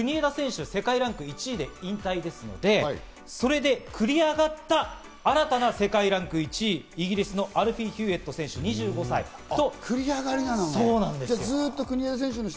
で、初出場で初めての決勝ということなんですが、その相手、国枝選手は世界ランク１位で引退ですので、それで繰り上がった新たな世界ランク１位、イギリスのアルフィー・ヒューエット選手、２５歳と。